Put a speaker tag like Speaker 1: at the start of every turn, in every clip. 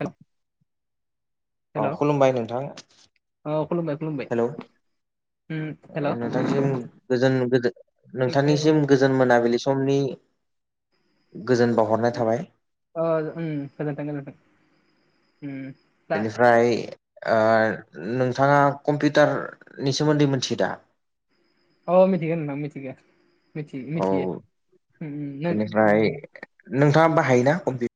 Speaker 1: औ।
Speaker 2: अ खुलुमबाय नोंथां
Speaker 1: औ खुलुमबाय खुलुमबाय
Speaker 2: हेल'?
Speaker 1: उम हेल'
Speaker 2: ओ
Speaker 1: अ
Speaker 2: नोंथांसिम गोजोन गोजो
Speaker 1: उम
Speaker 2: नोंथांनिसिम
Speaker 1: गोजोन्थों
Speaker 2: गो जोन मोनाबिलि समनि गोजोन बावहरनाय थाबाय।
Speaker 1: अ ओम गोजोन्थों गोजोन्थों ओम।
Speaker 2: बेनिफ्राय ओ नोंथाङा कम्पिउटारनि सोमोन्दै मिथियो दा?
Speaker 1: अ मिथिगोन नोंथां मिथिगो मिथि‌
Speaker 2: औ
Speaker 1: मिथियो ओम
Speaker 2: बेनिफ्राय
Speaker 1: ओ।
Speaker 2: नोंथाङा बाहायोना कम्पि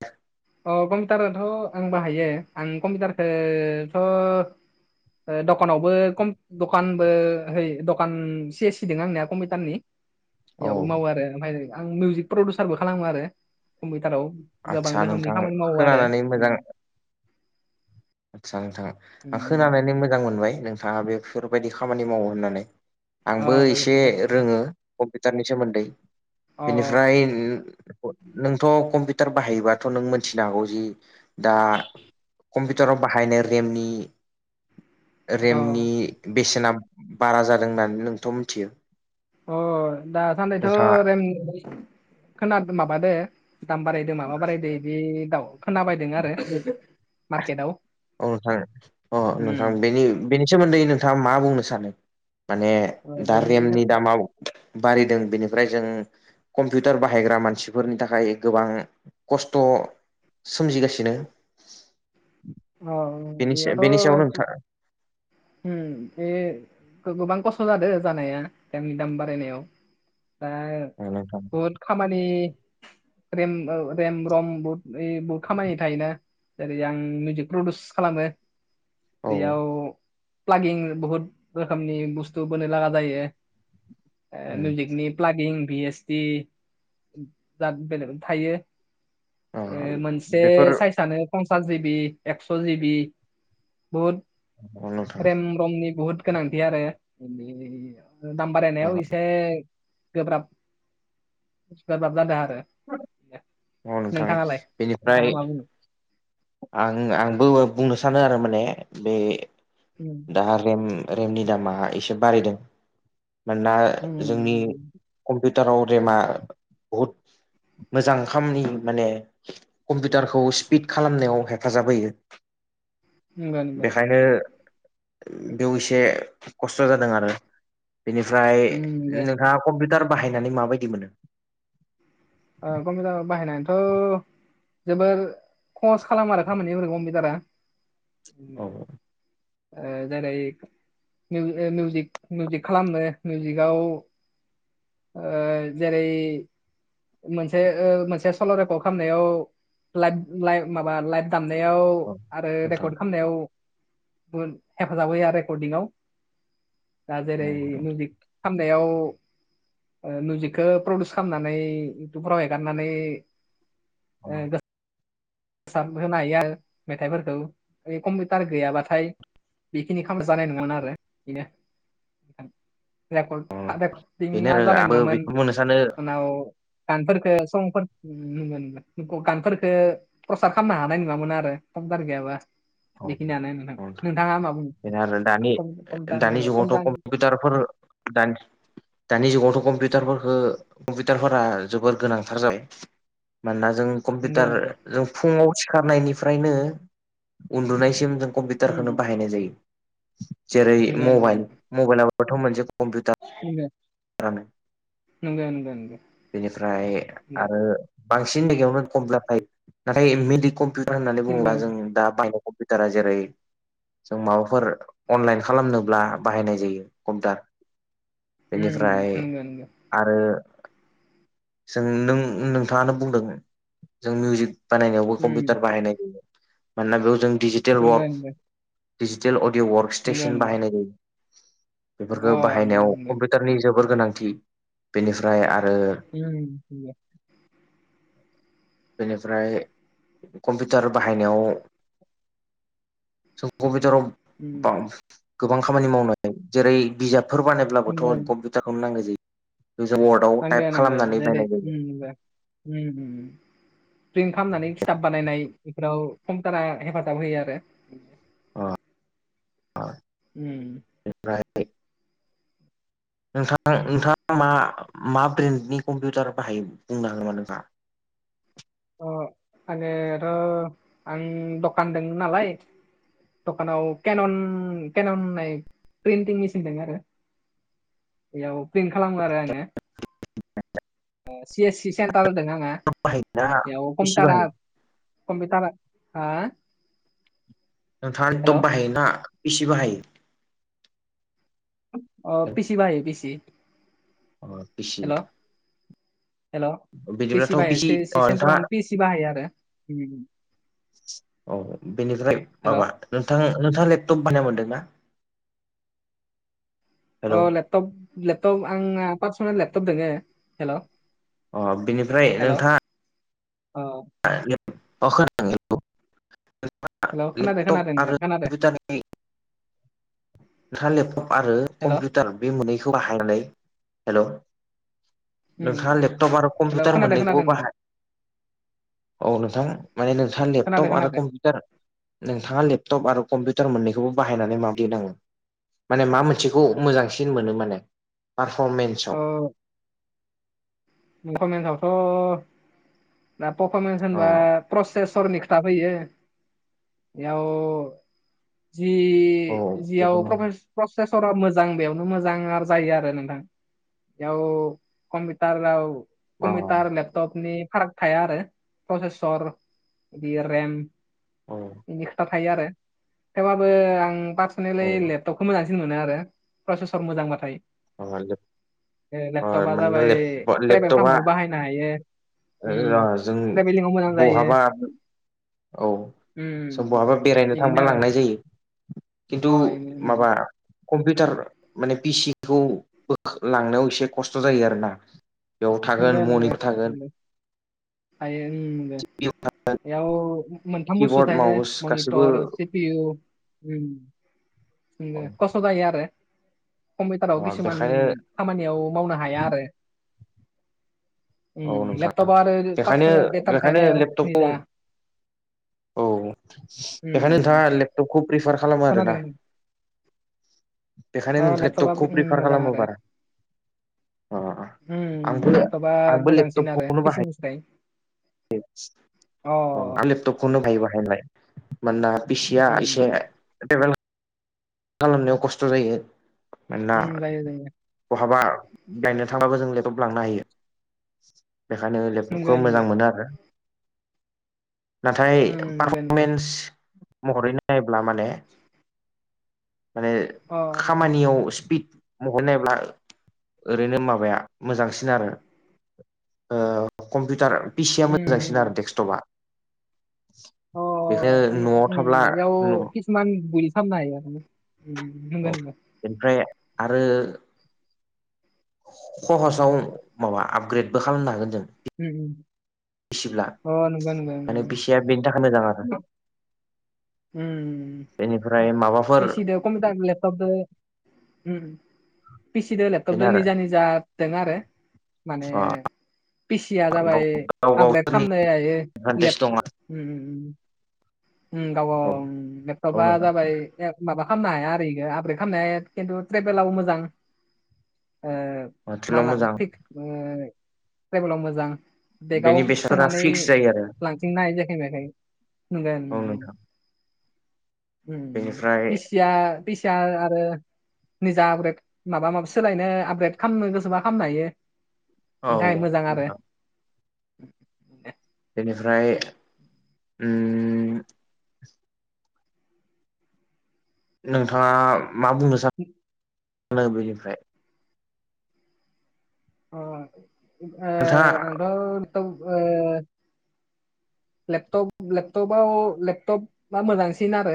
Speaker 1: अ कम्पिउटारथ' आं बाहायो आं कम्पिउटारखोथ' ओ दखानावबो कम दखानबो हैइ दखान एसि एसिदों आंनिया कम्पिउटारनि बेयावबो
Speaker 2: औ
Speaker 1: मावो आरो ओमफ्राय आं मिउजिक प्रडिउसारबो खालामो आरो कम्पिउटाराव। गोबां
Speaker 2: आदसा
Speaker 1: रोखोमनि
Speaker 2: नोंथां
Speaker 1: खामानि मावो आरो
Speaker 2: खोनानानै मोजां
Speaker 1: ओम।
Speaker 2: आदसा नोंथाङ
Speaker 1: उम
Speaker 2: आं
Speaker 1: उम
Speaker 2: खोनानानै मोजां मोनबाय नोंथाङा बेफोरफोरबायदि खामानि मावो होननानै।
Speaker 1: अ
Speaker 2: आंबो एसे
Speaker 1: गोजोनथों गोजोनथों
Speaker 2: रोङो कम्पिउटारनि सोमोन्दै बेनिफ्राय ओ नोंथ' कम्पिउटार बाहायोबाथ' नों मोन्थिनो हागौ जि दा कम्पिउटाराव बाहायनाय रेमनि
Speaker 1: अ अ
Speaker 2: रेमनि बेसेना बारा जादों होननानै नोंथ' मिथियो?
Speaker 1: अ दासान्दिथ'
Speaker 2: नोंथाङा
Speaker 1: रेम खोनादों माबादो दाम बारायदों माबा बारायदों इदि दाउ खोनाबायदों आरो मार्केटआव।
Speaker 2: औ नोंथां अ नोंथां बेनि बेनि सोमोन्दै नोंथाङा मा बुंनो सानो माने दा
Speaker 1: बेनि
Speaker 2: रेमनि दामाव बारिदों बेनिफ्राय जों कम्पिउटार बाहायग्रा मानसिफोरनि थाखाय गोबां खस्थ' सोमजिगासिनो।
Speaker 1: अ
Speaker 2: बेनि बेनि सायाव
Speaker 1: इयावथ'
Speaker 2: नोंथां
Speaker 1: ओम बे गो-गोबां खस्थ' जादों जानाया दामनि दाम बारायनायाव दा
Speaker 2: औ नोंथां।
Speaker 1: बहुद खामानि रेम ओ रेम रम बहुत ओय बहुत खामानि थायोना जेरै आं मिउजिक प्रडिउस खालामो
Speaker 2: औ
Speaker 1: बेयाव प्लागिं बुहुत रोखोमनि बुस्थु बोनो लागा जायो ओ मिउजिकनि। प्लागिं भि एस टि दा बेलेग थायो।
Speaker 2: अ
Speaker 1: ओ मोनसे
Speaker 2: बेफोर
Speaker 1: साइसआनो पन्सास जिबि एकस' जिबि बुहुत
Speaker 2: नोंथां
Speaker 1: रेम रमनि बुहुद गोनांथि आरो दाम
Speaker 2: अ
Speaker 1: बारायनायाव एसे गोब्राब गोब्राब जादों आरो।
Speaker 2: औ नोंथां
Speaker 1: नोंथाङालाय
Speaker 2: बेनिफ्राय
Speaker 1: नोंथाङा मा बुङो?
Speaker 2: आं आंबो बुंनो सानो आरो माने बे
Speaker 1: उम।
Speaker 2: दा रेम रेमनि दामा एसे बारायदों मानोना जोंनि
Speaker 1: उम
Speaker 2: कम्पिउटाराव रेमा बहुद मोजां खामनि माने कम्पिउटारखौ स्पिड खालामनायाव हेफाजाब होयो
Speaker 1: नंगौ नंगौ
Speaker 2: बेखायनो बेयाव एसे खस्थ' जादों आरो बेनिफ्राय
Speaker 1: उम नंगौ नंगौ
Speaker 2: नोंहा कम्पिउटार बाहायनानै माबायदि मोनो
Speaker 1: अ गम जाबा बाहायनाथ' जोबोर खस खालाम आरो खामानिफोरखौ कम्पिटारा
Speaker 2: औ
Speaker 1: जेरै मिउिक मिउजिक खालामनो मिउजिकआव जेरै मोनसे ओ मोनसे सल'र एप' खालामनायाव लाइ लाइ माबा लाइट दामनायाव
Speaker 2: औ
Speaker 1: आरो
Speaker 2: नोंथां
Speaker 1: रेकर्ड खालामनायाव हेफाजाब होयो रेकर्डिंआव दा जेरै
Speaker 2: औ
Speaker 1: मिउजिक खामनायाव ओ मिउजिकखौ प्रडिउस खालामनानै इउटुबफोराव एगारनानै ओ
Speaker 2: औ
Speaker 1: गो फोसाब होनो हायो आरो मेथाइफोरखौ कम्पिउटार गैयाबाथाय बेखिनि खालामना जानाय नङोन आरो बेनो रेकर
Speaker 2: बेनो
Speaker 1: रेकर्दिंङा
Speaker 2: आरो
Speaker 1: जानाय
Speaker 2: आंबो
Speaker 1: नङामोन
Speaker 2: बेखौ बुंनो सानो
Speaker 1: उनाव कान फोरखो समफोर [inaudible] कानफोरखो प्रसाद खालामनो हानाय नुङामोन आरो कमपिउटार गैयाबा बेखिनियानो नोंथां नोंथाङा मा बुंङो
Speaker 2: बे आरो दानि दानि जुगावथ' कम्पिउटारफोर दानि दानि जुगावथ' कम्पिउटारखो कम्पिउटारफोरा जोबोर गोनांथार जाबाय मानोना जों
Speaker 1: नंगो
Speaker 2: कम्पिउटार
Speaker 1: नंगो
Speaker 2: जों फुङाव सिखारनायनिफ्रायनो उन्दुनायसिम जों कम्पिउटारखोनो बाहायनाय जायो जेरै
Speaker 1: नंगो नंगो
Speaker 2: मबाइल मबाइल आबोथ' मोनसे कम्पिउटार
Speaker 1: [inaudible]
Speaker 2: [unintelligible]
Speaker 1: नंगो नंगो नंगो
Speaker 2: बेनिफ्राय आरो बांसिन जायगायावनो कम्पिउटार [unintelligible] नाथाय मेडिक कम्पिउटार होननानै
Speaker 1: नंगो
Speaker 2: बुङ्ला जों
Speaker 1: नंगो
Speaker 2: दा बाय फितारा जेरै जों माबाफोर अनलाइन खालामनोब्ला बाहायनाय जायो कम्पिउटार
Speaker 1: उम
Speaker 2: बेनिफ्राय
Speaker 1: नंगो नंगो
Speaker 2: आरो जों नों नोंथाङानो बुंदों जों मिउजिक बानायनायावबो
Speaker 1: उम
Speaker 2: कम्पिउटार बाहायनाय मानोना बेयाव जों डिजिटेल
Speaker 1: नंगो
Speaker 2: वर्क
Speaker 1: नंगो
Speaker 2: डिजिटेल अडिअ' वार्क
Speaker 1: नंगो
Speaker 2: स्टेसन
Speaker 1: नंगो
Speaker 2: बाहायनाय जायो बेफोरखौ
Speaker 1: अ नंगो
Speaker 2: बाहायनायाव
Speaker 1: नंगो
Speaker 2: कम्पिउटारनि जोबोर गोनांथि बेनिफ्राय आरो
Speaker 1: उम नंगो
Speaker 2: बेनिफ्राय कम्पिउटार बाहायनायाव स खौबेथराव
Speaker 1: उम
Speaker 2: अ गोबां खामानि मावनो जेरै बिजाबफोर बानायब्लाबोथ'
Speaker 1: नंगो
Speaker 2: कम [unintelligible] नांनखय जायो वार्डव
Speaker 1: नांगो
Speaker 2: टाइप
Speaker 1: नांगो
Speaker 2: खालामनानै बायनाय जायो
Speaker 1: [inaudible] [inaudible] प्रिन्ट खालामनानै खिथाब बानायनाय बेफोराव खमथारा हेफाजाब होयो आरो
Speaker 2: ओ
Speaker 1: उम
Speaker 2: [unintelligible] नोंथां नोंथाङा मा मा ब्रेन्डनि कम्पिउटार बाहायो बुंनो हागोन नामा नोंथाङा
Speaker 1: अ आङोथ आं दखान दोंमोन नालाय दखानाव केनन केन'न होननाय प्रिन्टिं मेसिन दं आरो बेयाव प्लेन खालामो आरो आङो सि एस सि सेन्टार होदों आङो
Speaker 2: बाहायोना
Speaker 1: बेयाव
Speaker 2: पिसि
Speaker 1: कम्पिउटारा
Speaker 2: बाहायो
Speaker 1: कम्फिउटारा हा
Speaker 2: नोंथाङा
Speaker 1: हेल'
Speaker 2: लेपटप बाहायोना पिसि बाहायो
Speaker 1: अ पिसि बाहायो फिसि
Speaker 2: अ खसि
Speaker 1: हेल' पि एसि
Speaker 2: बिदिब्लाथ'
Speaker 1: बाहायो
Speaker 2: पिसि
Speaker 1: सि
Speaker 2: अ नोंथाङा
Speaker 1: सेन्टाराव पि ए सि बाहायो आरो
Speaker 2: औ बेनिफ्राय
Speaker 1: हेल'
Speaker 2: माबा नोंथां नोंथाङा लेपटप बानाय मोन्दों ना
Speaker 1: अ
Speaker 2: हेलौ
Speaker 1: लेपटप लेपटप आं पार्सनेल लेपटप दोङो हेल'
Speaker 2: अ बिनिफ्राय नोंथाङा
Speaker 1: औ
Speaker 2: होन
Speaker 1: हेल' खोनादों
Speaker 2: लेपटप
Speaker 1: खोनादों
Speaker 2: आरो
Speaker 1: नोंथां खोनादों
Speaker 2: कटार नों [unintelligible] लेपटप आरो
Speaker 1: हेल'
Speaker 2: कम्पिउटार बे मोननैखौ बाहायनानै हेल' नोंथाङा
Speaker 1: हेल'
Speaker 2: लेपटप आरो कम्पिउटार
Speaker 1: खोनादों खोनादों
Speaker 2: मोननैखौबो
Speaker 1: नोंथां
Speaker 2: बाहाय औ नोंथां माने नोंथाआ लेपटप
Speaker 1: खोनादों
Speaker 2: आरो
Speaker 1: खोनादों
Speaker 2: कम्पिउटार नोंथाङा लेपटप आरो कम्पिउटार मोन्नैखौबो बाहायनानै माब्रदि नाङो माने मा मोनसेखौ मोजांसिन मोनो माने पारफरमेन्सव
Speaker 1: पफरमेन्सवथ' दा पफरमेन्स
Speaker 2: ओ
Speaker 1: होनबा प्र सरनि खोथा फैयो बेयाव जि
Speaker 2: औ
Speaker 1: जियाव
Speaker 2: बेखौनो
Speaker 1: प्रसेेसरा मोजां बेयावनो मोजां जायो आरो नोंथां आयाव कमटार आ
Speaker 2: अ
Speaker 1: कमपउटार लेपटपनि फार थाया आरो प्रसेसर बि रेम
Speaker 2: औ
Speaker 1: बिनि खोथा बेयो आरो थेवबबो आं
Speaker 2: औ
Speaker 1: पारसनेलि लेपटपखौ मोजां मोनो आरो प्रसेसर मोजांबाथाय
Speaker 2: अ
Speaker 1: लेपटपा
Speaker 2: मोनोना
Speaker 1: जाबाय
Speaker 2: ल [unintelligible]
Speaker 1: ट्रेभेल
Speaker 2: लेपटपा
Speaker 1: खालामनायाव बाहायनो हायो
Speaker 2: जों
Speaker 1: ट्रेभेलिंआव मोजां जायो
Speaker 2: बहाबा औ समबहाबा बेरायनो थांबा
Speaker 1: बिदिनो आरो
Speaker 2: लांनाय जायो
Speaker 1: अ
Speaker 2: खिन्थु
Speaker 1: इनो
Speaker 2: माबा कम्पिउटार माने पिसिंखौ बो लांनायाव एसे खस्थ' जायो आरोना बेयाव थागोन
Speaker 1: नंगो नंगो
Speaker 2: मनिक थागोन
Speaker 1: नंगो थायो ओं नंगो बेयाव मोनथाम बुस्थु
Speaker 2: किबर्ड
Speaker 1: थायोने
Speaker 2: माउस गासिबो
Speaker 1: मनिटर
Speaker 2: औ
Speaker 1: कसथ 'जायो आरो कम्पिउटाराव
Speaker 2: अ
Speaker 1: किसुमान
Speaker 2: बेखायनो
Speaker 1: खामानियाव मावनो हाया आरो
Speaker 2: औ
Speaker 1: उम
Speaker 2: नोंथां
Speaker 1: लेपटपा आरो
Speaker 2: बेखायनो
Speaker 1: पार्सनेल बेटारि
Speaker 2: बेखायनो
Speaker 1: थायोना इयाव
Speaker 2: लेपटपखौ
Speaker 1: निजा
Speaker 2: औ
Speaker 1: उम
Speaker 2: बेखायनो नोंथाङा लेपटपखौ प्रिफार खालामो आरोना
Speaker 1: खोनादों
Speaker 2: बेखायनो
Speaker 1: अ
Speaker 2: नोंथ
Speaker 1: लेपटपा
Speaker 2: टकखौ
Speaker 1: उम
Speaker 2: प्रिफार
Speaker 1: मोजां
Speaker 2: खालामो
Speaker 1: आरो
Speaker 2: बारा अ
Speaker 1: उम
Speaker 2: आंबो आंबो लेपटपखौनो बाहायो
Speaker 1: बाय
Speaker 2: औ आरो लेपटपखौनो बाहायो बाहाय नलाय मोनना फिसिया ऐसे
Speaker 1: उम
Speaker 2: खालामनायाव खस्थ' जायो मानोना
Speaker 1: उम जायो जायो
Speaker 2: बहाबा गायनो थाङाबो जों लेटप लांनो हायो बेखायनो
Speaker 1: नंगो
Speaker 2: लेपटपखौ
Speaker 1: नंगो
Speaker 2: मोजां मोनो आरो नाथाय
Speaker 1: उम नंगो नंगो
Speaker 2: पारफरमेन्स महरै नायोब्ला माने माने
Speaker 1: अ
Speaker 2: खामानियाव स्पिड मबेल नायब्ला ओरैनो माबाया मोजांसिन आरो ओ कम्पिउटार पिसिया
Speaker 1: उम
Speaker 2: मोजांसिन
Speaker 1: उम
Speaker 2: आरो डेक्स्सटपआ
Speaker 1: अ
Speaker 2: बेनो न'आव थाब्ला न'
Speaker 1: मान बोरैखामनो हायो नंगौ
Speaker 2: औ
Speaker 1: नगा [unintelligible]
Speaker 2: बेनिफ्राय आरो हहसाव माबा आपग्रेदबो खालामनो हागोन जों
Speaker 1: उम उम
Speaker 2: फिसिब्ला
Speaker 1: अ नंगौ
Speaker 2: ओंखायनो
Speaker 1: नंगौ
Speaker 2: फिसिया बेनि थाखाय मोजां आरो।
Speaker 1: उम
Speaker 2: बेनिफ्राय माबाफोर
Speaker 1: पिसि दो कम्पिउटार लेपटप दो फिसिदो
Speaker 2: बेनो
Speaker 1: लेपटपदो
Speaker 2: आरो
Speaker 1: निजा निजा दों आरो माने पिसिया
Speaker 2: गाव
Speaker 1: जाबाय
Speaker 2: गाव
Speaker 1: आपग्रेड
Speaker 2: गावसोरनि
Speaker 1: खालामनो हायो
Speaker 2: एडभान्टेज
Speaker 1: लेप
Speaker 2: दं
Speaker 1: उम उम। उम गाव
Speaker 2: आरो औ
Speaker 1: गावनि [unintelligible]
Speaker 2: औ
Speaker 1: लेपटपआ
Speaker 2: नोंथां
Speaker 1: जाबाय एह माबा खालामनो हाया आरो इखो आपग्रेद खालामनो हाया खिन्थु ट्रेभेलआव मोजां। ओ
Speaker 2: ट्रेलाव
Speaker 1: माला
Speaker 2: मोजां
Speaker 1: पि ओ ट्रेभेलाव मोजां। बेगाव
Speaker 2: बेनि बेसादफोरा
Speaker 1: सोनानै
Speaker 2: फिक्स जायो आरो
Speaker 1: लां
Speaker 2: औ नोंथां
Speaker 1: [unintelligible]
Speaker 2: बेनिफ्राय
Speaker 1: फिया फिसिया आरो निजा आपग्रेड माबा माबि सोलायनो आपग्रेद खालामनो गोसोबा खालामनो हायो। बेनि
Speaker 2: औ
Speaker 1: थाखाय मोजां आरो
Speaker 2: नोंथां। बेनिफ्राय उम नोंथाङा मा बुंनो सानो बेनिफ्राय
Speaker 1: अ' ओ
Speaker 2: नोंथाङा
Speaker 1: आंथ' ओ लेपटप लेपटपाव लेपटपा मोजांसिन आरो।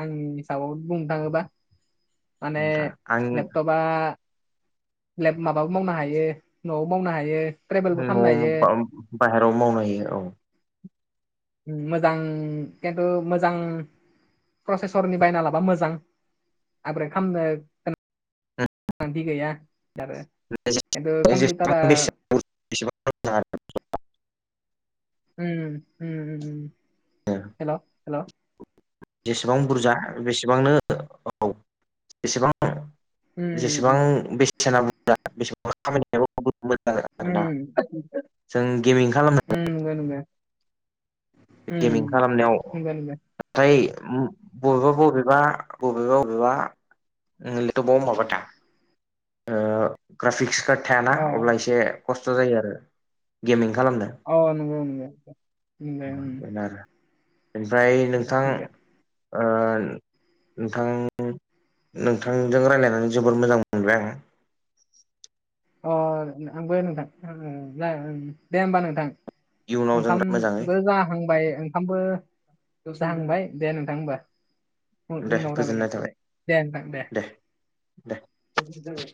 Speaker 1: आंनि हिसाबाव बुंनो थाङोबा माने
Speaker 2: आं
Speaker 1: लेपटप बा लेफ माबाबो मावनो हायो न'आवबो मावनो हायो। ट्रेभेलबो खालामनो हायो
Speaker 2: न'आव बाहेराव मावनो हायो औ।
Speaker 1: मोजां खिन्थु मोजां प्रसेसरनि बायना लाबा मोजां आपग्रेद खालामनो गोनांथि गैया आरो खिन्थु कम्पिउटारा
Speaker 2: जेसेबां बेसेबां [unintelligible]
Speaker 1: उम उम उम।
Speaker 2: आरो
Speaker 1: हेल' हेल'
Speaker 2: जेसेबां बुरजा बेसेबांनो औ जेसेबां जेसेबां
Speaker 1: उम
Speaker 2: बेसिना बुरजा खामानियाबो बुहुद मोजां जागों
Speaker 1: उम
Speaker 2: आरोना जों गेमिं खालामनो
Speaker 1: उम नोंगो नोंगो।
Speaker 2: गेमिं खालामनायाव
Speaker 1: नंगौ नंगौ
Speaker 2: फ्राय बबेबा बबेबा बबेबा बबेबा उम लेपटपबाव माबाथा ओ ग्राफिक्स खाद थायाना
Speaker 1: अ
Speaker 2: अब्ला एसे खस्थ' जायो आरो गेमिं खालामनो।
Speaker 1: औ नोंगौ नोंगौ
Speaker 2: बेनो आरो ओमफ्राय नोंथां
Speaker 1: नंगौ
Speaker 2: ओ नोंथां नोंथांजों रायज्लायनानै जोबोर मोजां मोनबाय आं।
Speaker 1: [unintelligible]
Speaker 2: इयुनाव जों मोजाङै
Speaker 1: ओंखामबो जाहांबाय ओंखामबो जाहांबाय दे नोंथां होमबा।
Speaker 2: दे
Speaker 1: उनाव रायलायगोन
Speaker 2: गोजोननाय थाबाय
Speaker 1: होनलाय दे
Speaker 2: दे दे
Speaker 1: नोंथां दे।